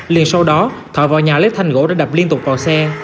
liền sau đó thọ vào nhà lấy thanh gỗ đã đập liên tục vào xe